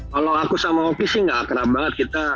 kalau aku sama oki sih gak akrab banget gitu